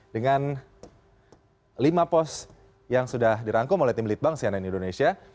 dengan lima pos yang sudah dirangkum oleh tim litbang sianen indonesia